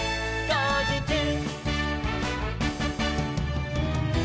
「こうじちゅう！！」